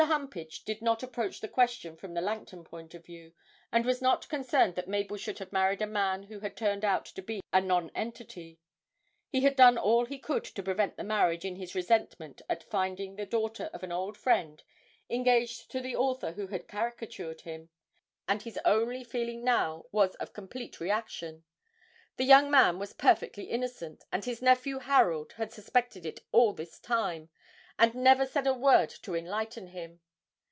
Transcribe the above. Humpage did not approach the question from the Langton point of view, and was not concerned that Mabel should have married a man who had turned out to be a nonentity. He had done all he could to prevent the marriage in his resentment at finding the daughter of an old friend engaged to the author who had caricatured him, and his only feeling now was of complete reaction; the young man was perfectly innocent, and his nephew Harold had suspected it all this time and never said a word to enlighten him.